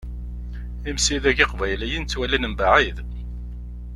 Imsidag iqbayliyen ttwalin mebɛid.